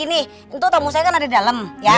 ini itu tamu saya kan ada di dalam